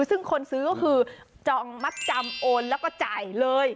ซึ่งคนซื้อก็คือจองมัดจำโอนแล้วก็จ่ายเลย